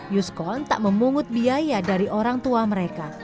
yuskon tak memungut biaya dari orang tua mereka